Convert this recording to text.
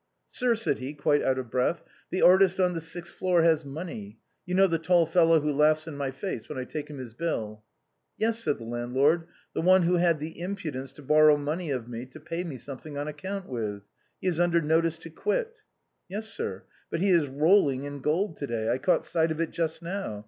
" Sir," said he, quite out of breath, " the artist on the sixth floor has money. You know the tall fellow who laughs in my face when I take him his bill ?"" Yes," said the landlord, " the one who had the impudence to borrow money of me to pay me something on account with. He is under notice to quit." "Yes, sir. But he is rolling in gold to day. I caught sight of it just now.